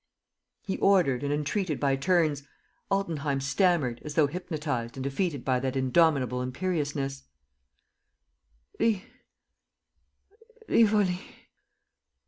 ..." He ordered and entreated by turns. Altenheim stammered, as though hypnotized and defeated by that indomitable imperiousness: "Ri ... Rivoli.